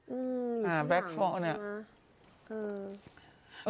อืมอ่าแบล็กโฟล์เนี่ย